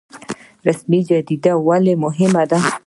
رسمي جریده ولې مهمه ده؟